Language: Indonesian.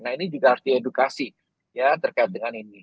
nah ini juga harus diedukasi ya terkait dengan ini